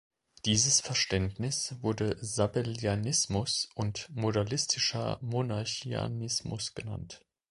Dieses Verständnis wurde Sabellianismus und modalistischer Monarchianismus genannt.